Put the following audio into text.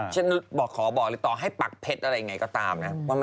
ฉันบอกขอบอกเลยต่อให้ปักเพชรอะไรไงก็ตามนะ